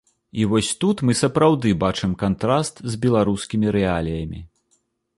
І вось тут мы сапраўды бачым кантраст з беларускімі рэаліямі.